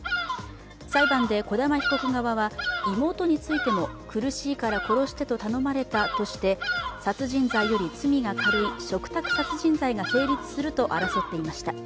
裁判で小玉被告側は妹についても苦しいから殺してと頼まれたとして、殺人罪より罪が軽い嘱託殺人罪が成立すると争っていました。